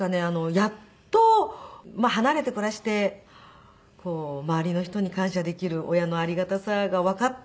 やっと離れて暮らして周りの人に感謝できる親のありがたさがわかった。